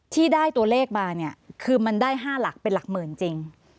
ที่ได้ตัวเลขมาเนี่ยคือมันได้๕หลักเป็นหลักหมื่นจริง